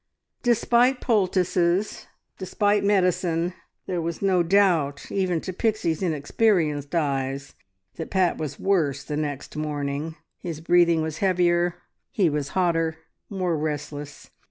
Despite poultices, despite medicine, there was no doubt even to Pixie's inexperienced eyes that Pat was worse the next morning. His breathing was heavier, he was hotter, more restless.